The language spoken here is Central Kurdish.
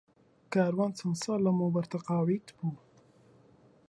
کاروان چەند ساڵ لەمەوبەر تەقاویت بوو.